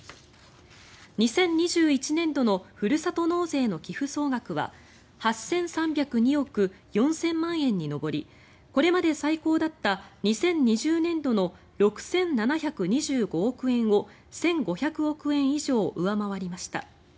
２０２１年度のふるさと納税の寄付総額は８３０２億４０００万円に上りこれまで最高だった２０２０年度の６７２５億円を１５００億円以上上回りました。